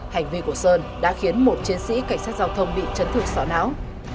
hành vi của sơn đã khiến một chiến sĩ cảnh sát giao thông bị trấn thủ sỏ não